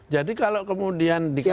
jadi kalau kemudian dikatakan